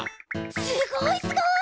すごいすごい！